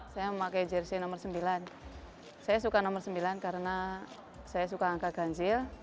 saya memakai jersey nomor sembilan saya suka nomor sembilan karena saya suka angka ganjil